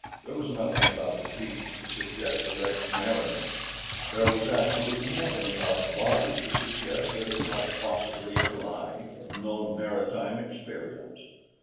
There was nothing about the beach to suggest a wrecked mariner. There was absolutely nothing about the body to suggest that it might possibly in life have known a maritime experience.